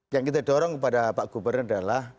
yang kita dorong kepada pak gubernur adalah